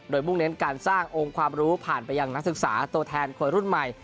โดยมุ่งเน้นการสร้างองค์ความรู้ผ่านไปยังนักศึกษาตัวแทนคนรุ่นใหม่